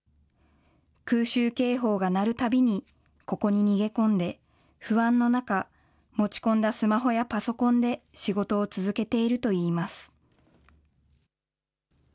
空襲警報が鳴るたびにここに逃げ込んで不安の中、持ち込んだスマホやパソコンで仕事を続けているといいます。